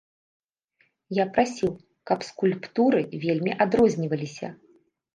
Я прасіў, каб скульптуры вельмі адрозніваліся.